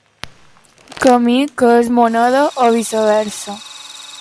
Camí que és moneda, o viceversa.